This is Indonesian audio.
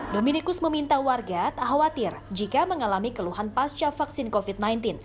dominikus meminta warga tak khawatir jika mengalami keluhan pasca vaksin covid sembilan belas